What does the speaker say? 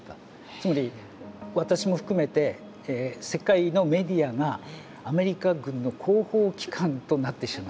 つまり私も含めて世界のメディアがアメリカ軍の広報機関となってしまった。